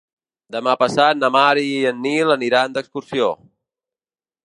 Demà passat na Mar i en Nil aniran d'excursió.